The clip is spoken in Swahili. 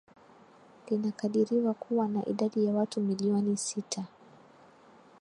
linakadiriwa kuwa na idadi ya watu milioni sita